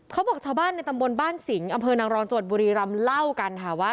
ชาวบ้านในตำบลบ้านสิงห์อำเภอนางรองจังหวัดบุรีรำเล่ากันค่ะว่า